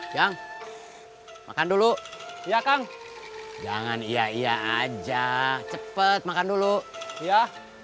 kang makan dulu ya kang jangan iya iya aja cepet makan dulu ya